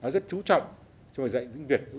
rất trú trọng cho dạy tiếng việt